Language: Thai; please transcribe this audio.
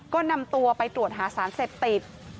ก็นำตัวไปตรวจหาสารเสพติด